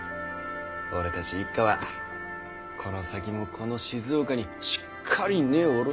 俺たち一家はこの先もこの静岡にしっかり根を下ろして暮らしていくんだい。